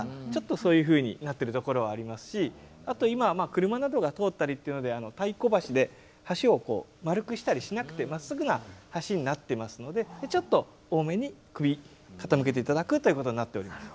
そういうふうになってるところはありますしあと今は車などが通ったりっていうので太鼓橋で橋を丸くしたりしなくてまっすぐな橋になっていますのでちょっと多めに首傾けて頂くということになっております。